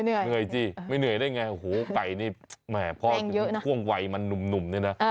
เหนื่อยจิไม่เหนื่อยได้ไงโหไก่นี่แม่พ่อควงไหวมันนุ่มเนี่ยนะ